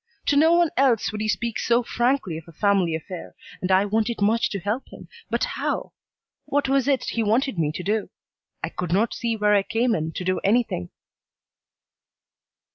To no one else would he speak so frankly of a family affair, and I wanted much to help him, but how? What was it he wanted me to do? I could not see where I came in to do anything.